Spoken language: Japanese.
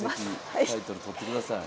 タイトル取ってください。